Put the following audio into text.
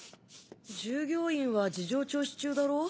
従業員は事情聴取中だろ？